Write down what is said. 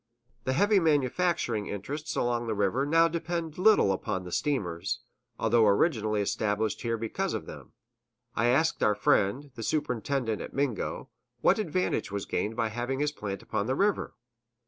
The heavy manufacturing interests along the river now depend little upon the steamers, although originally established here because of them. I asked our friend, the superintendent at Mingo, what advantage was gained by having his plant upon the river.